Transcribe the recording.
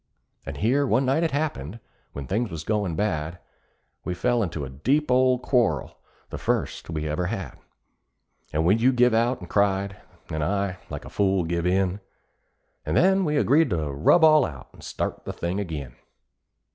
And here one night it happened, when things was goin' bad, We fell in a deep old quarrel the first we ever had; And when you give out and cried, then I, like a fool, give in, And then we agreed to rub all out, and start the thing ag'in.